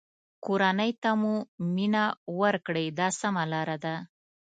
کورنۍ ته مو مینه ورکړئ دا سمه لاره ده.